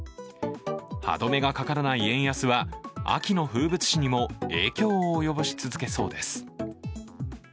歯止めがかからない円安は、秋の風物詩にも影響を及ぼし続けそうです。